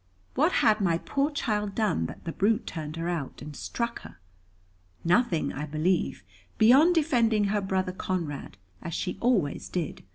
"What had my poor child done, that the brute turned her out, and struck her?" "Nothing, I believe, beyond defending her brother Conrad, as she always did.